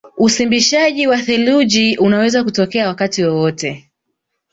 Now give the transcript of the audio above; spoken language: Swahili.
Usimbishaji wa theluji unaweza kutokea wakati wowote